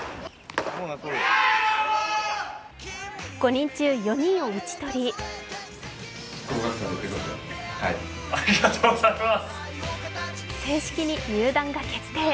５人中４人を打ち取り正式に入団が決定。